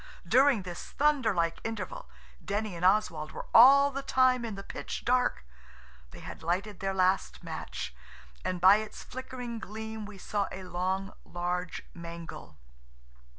During this thunder like interval Denny and Oswald were all the time in the pitch dark. They had lighted their last match, and by its flickering gleam we saw a long, large mangle.